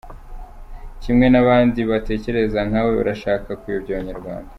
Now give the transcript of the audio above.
Kimwe n’abandi batekereza nka we barashaka kuyobya Abanyarwanda.